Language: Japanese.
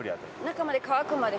中まで乾くまで。